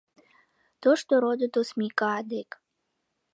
Тошто родо тосмика дек.